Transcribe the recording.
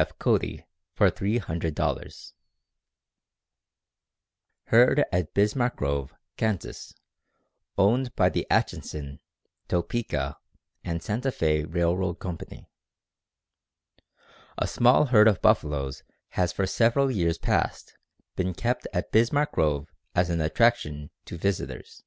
F. Cody for $300. Herd at Bismarck Grove, Kansas, owned by the Atchison, Topeka and Santa Fé Railroad Company. A small herd of buffaloes has for several years past been kept at Bismarck Grove as an attraction to visitors.